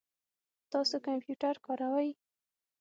تاسو کمپیوټر کاروئ؟